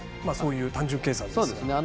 そういう単純計算ですと。